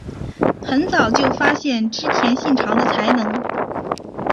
很早就发现织田信长的才能。